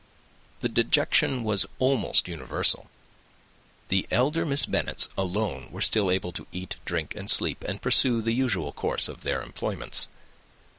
The dejection was almost universal. The elder Miss Bennets alone were still able to eat, drink, and sleep, and pursue the usual course of their employments.